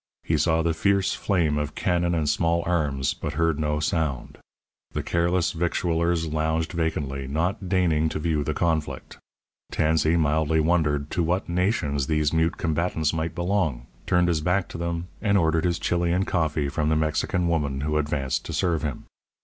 He saw the fierce flame of cannon and small arms, but heard no sound. The careless victuallers lounged vacantly, not deigning to view the conflict. Tansey mildly wondered to what nations these mute combatants might belong; turned his back to them and ordered his chili and coffee from the Mexican woman who advanced to serve him.